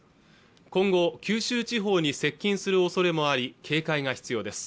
今後九州地方に接近する恐れもあり警戒が必要です